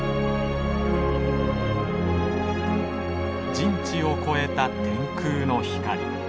人知を超えた天空の光。